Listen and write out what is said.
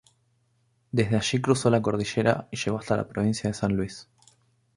Desde allí cruzó la cordillera y llegó hasta la provincia de San Luis.